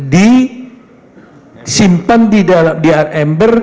disimpan di dalam ember